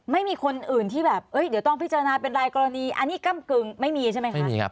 ไม่มีคนอื่นที่แบบเดี๋ยวต้องพิจารณาเป็นรายกรณีอันนี้กำกึ่งไม่มีใช่ไหมคะ